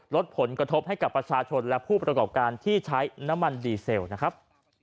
ลดผลกระทบให้กับประชาชนและผู้ประกอบการที่ใช้น้ำมันดีเซลนะครับ